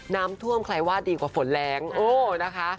น้ำท่วมคลายว่าดีกว่าฝนแรงโอ๊ะ